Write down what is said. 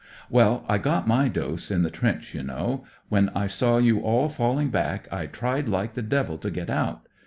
Well, I got my dose in the trench, you know. When I saw you all falling back I tried like the devil to get out.